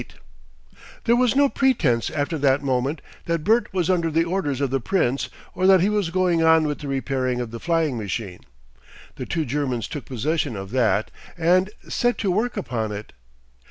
8 There was no pretence after that moment that Bert was under the orders of the Prince or that he was going on with the repairing of the flying machine. The two Germans took possession of that and set to work upon it.